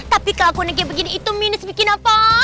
tapi kelakuannya kayak begini itu minus bikin apa